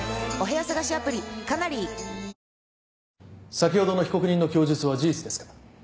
先ほどの被告人の供述は事実ですか。